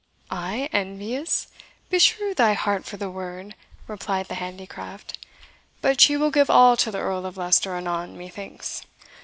"I envious? beshrew thy heart for the word!" replied the handicraft. "But she will give all to the Earl of Leicester anon, methinks."